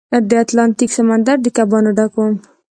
د اتلانتیک سمندر د کبانو ډک و.